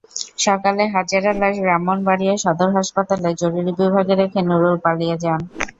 সকালে হাজেরার লাশ ব্রাহ্মণবাড়িয়া সদর হাসপাতালের জরুরি বিভাগে রেখে নুরুল পালিয়ে যান।